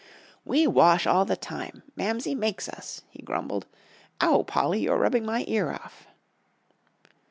"We wash all the time. Mamsie makes us," he grumbled. "Ow, Polly, you're rubbing my ear off."